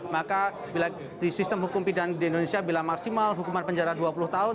maka bila di sistem hukum pidana di indonesia bila maksimal hukuman penjara dua puluh tahun